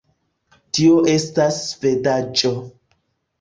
Tio estas svedaĵo